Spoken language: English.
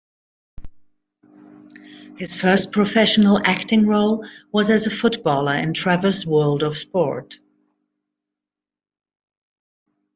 His first professional acting role was as a footballer in "Trevor's World of Sport".